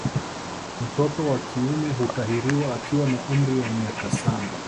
Mtoto wa kiume hutahiriwa akiwa na umri wa miaka saba